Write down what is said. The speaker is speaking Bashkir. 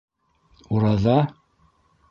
Ураҙа?